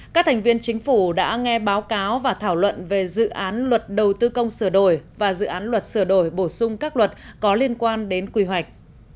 các thành viên chính phủ đã nghe báo cáo và thảo luận về dự án luật đầu tư công sửa đổi và dự án luật sửa đổi bổ sung các luật có liên quan đến quy hoạch